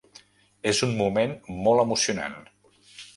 És un moment molt emocionant.